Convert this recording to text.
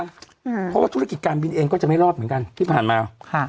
เพราะว่าธุรกิจการบินเองก็จะไม่รอดเหมือนกันที่ผ่านมาค่ะ